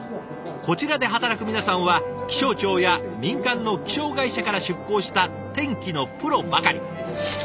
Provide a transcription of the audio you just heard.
こちらで働く皆さんは気象庁や民間の気象会社から出向した天気のプロばかり。